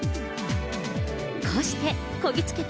こうしてこぎ着けた